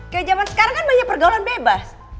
kayak zaman sekarang kan banyak pergaulan bebas